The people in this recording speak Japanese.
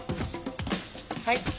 はい。